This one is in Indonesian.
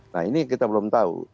nah ini kita belum tahu